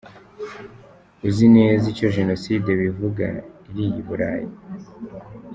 Uzi neza icyo Jenoside bivuga iiriyaÂ i Burayi!